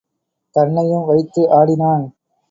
தன்னையும் வைத்து ஆடினான்.